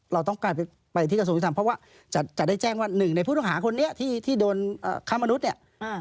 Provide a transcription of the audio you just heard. เราต้องการไปที่กระทรวงยุทธรรมเพราะว่าจะได้แจ้งว่าหนึ่งในผู้ต้องหาคนนี้ที่โดนค้ามนุษย์เนี่ย